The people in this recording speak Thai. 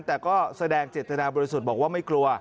แต่ก็แสดงเจตนาบริสุทธิ์บอกว่าไม่กลัว